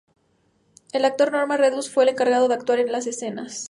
El actor Norman Reedus fue el encargado de actuar las escenas.